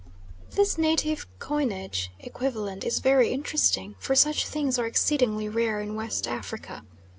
This native coinage equivalent is very interesting, for such things are exceedingly rare in West Africa.